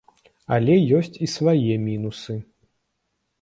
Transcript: Але ёсць і свае мінусы.